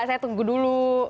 saya tunggu dulu